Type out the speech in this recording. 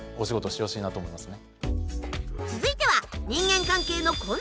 続いては。